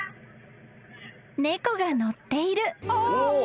［猫が乗っている］